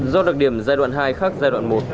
do đặc điểm giai đoạn hai khác giai đoạn một